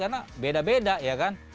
karena beda beda ya kan